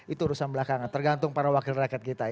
itu urusan belakangan tergantung para wakil rakyat kita